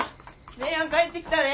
姉やん帰ってきたで！